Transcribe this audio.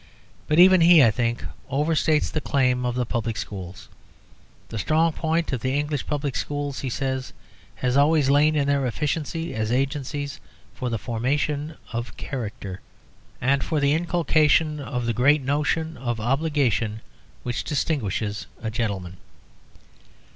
But even he, I think, overstates the claim of the public schools. "The strong point of the English public schools," he says, "has always lain in their efficiency as agencies for the formation of character and for the inculcation of the great notion of obligation which distinguishes a gentleman.